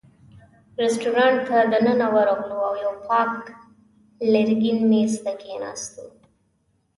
رېستورانت ته دننه ورغلو او یوه پاک لرګین مېز ته کېناستو.